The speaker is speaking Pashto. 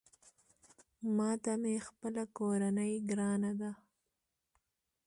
ماته مې خپله کورنۍ ګرانه ده